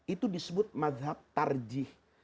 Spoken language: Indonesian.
itu disebut mazhab tarjih